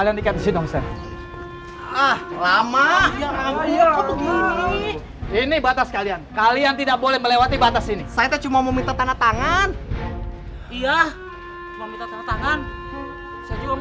ini batas kalian kalian tidak boleh melewati batas ini saya cuma meminta tanda tangan iya